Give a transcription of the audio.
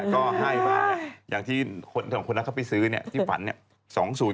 ก็ให้มาอย่างที่สองคนนั้นเขาไปซื้อเนี่ยที่ฝันเนี่ย